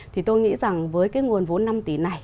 thì tôi nghĩ rằng với cái nguồn vốn năm tỷ này